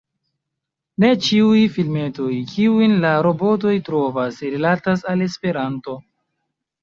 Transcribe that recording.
Ne ĉiuj filmetoj, kiujn la robotoj trovas, rilatas al Esperanto.